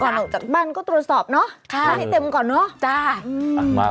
ก่อนออกจากบ้านก็ตรวจสอบเนอะให้เต็มก่อนเนอะค่ะจ้ะ